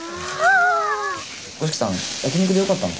五色さん焼き肉でよかったの？